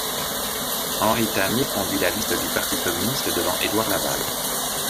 Henri Thamier conduit la liste du parti communiste devant Édouard Laval.